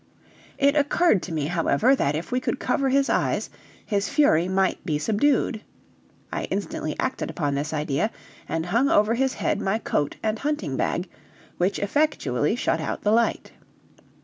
It occurred to me, however, that if we could cover his eyes, his fury might be subdued. I instantly acted upon this idea, and flung over his head my coat and hunting bag, which effectually shut out the light.